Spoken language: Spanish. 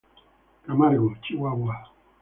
Camargo, Chihuahua.